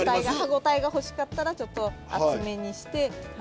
歯応えが欲しかったらちょっと厚めにして。